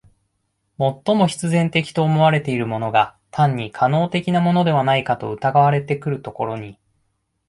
最も必然的と思われているものが単に可能的なものではないかと疑われてくるところに、